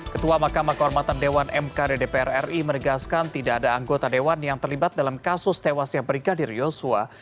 ketua mahkamah kehormatan dewan mkd dpr ri menegaskan tidak ada anggota dewan yang terlibat dalam kasus tewasnya brigadir yosua